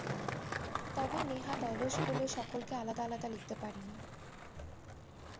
তবে নেহাত অলস বলে সকলকে আলাদা আলাদা লিখতে পারি না।